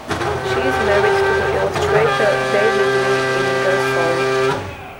She is married to the illustrator David Lee Ingersoll.